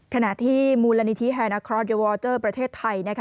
ขณะที่มูลนิธิแฮนอาคอร์ดเดียวอลเตอร์ประเทศไทย